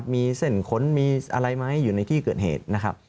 มีเส้นขนมีอะไรไหมอยู่ในที่เกิดเหตุนะครับ